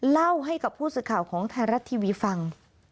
เล่าให้กับผู้สื่อข่าวของไทยรัฐทีวีฟัง